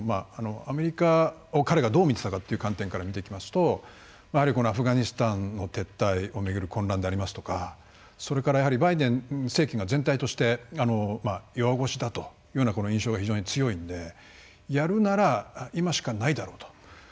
アメリカを、彼がどう見ていたかという観点から見ていきますとアフガニスタンの撤退を巡る混乱でありますとかそれからバイデン政権が全体として弱腰だという印象が非常に強いのでやるなら今しかないだろうと。